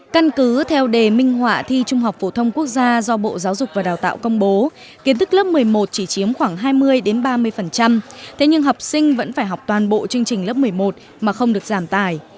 căn cứ theo đề minh họa thi trung học phổ thông quốc gia do bộ giáo dục và đào tạo công bố kiến thức lớp một mươi một chỉ chiếm khoảng hai mươi ba mươi thế nhưng học sinh vẫn phải học toàn bộ chương trình lớp một mươi một mà không được giảm tài